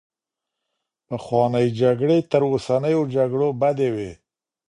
پخوانۍ جګړې تر اوسنيو جګړو بدې وې.